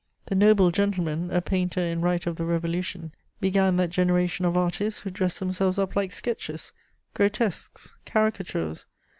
The noble gentleman, a painter in right of the Revolution, began that generation of artists who dress themselves up like sketches, grotesques, caricatures.